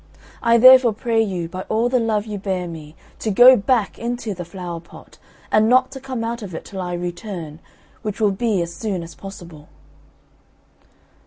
I, therefore, pray you, by all the love you bear me, to go back into the flower pot, and not to come out of it till I return, which will be as soon as possible."